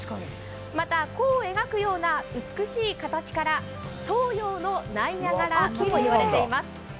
また弧を描くような美しい形から東洋のナイアガラともいわれています。